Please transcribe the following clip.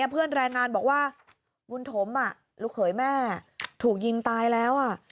แรงงานบอกว่าบุญถมลูกเขยแม่ถูกยิงตายแล้ว